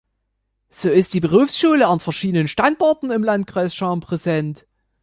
So ist die Berufsschule an verschiedenen Standorten im Landkreis Cham präsent.